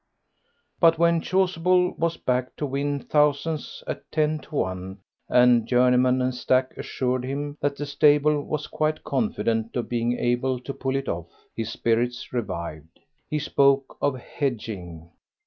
But when Chasuble was backed to win thousands at ten to one, and Journeyman and Stack assured him that the stable was quite confident of being able to pull it off, his spirits revived. He spoke of hedging.